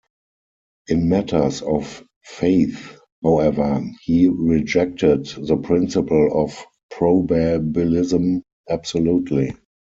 In matters of faith, however, he rejected the principle of probabilism absolutely.